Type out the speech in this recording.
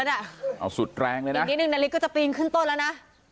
พยายามต้นล่อน้ำ